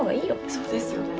そうですよね。